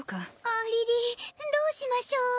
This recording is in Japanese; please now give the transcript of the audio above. ありりどうしましょう。